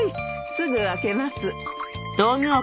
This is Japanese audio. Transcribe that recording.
すぐ空けます。